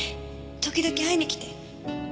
時々会いに来て。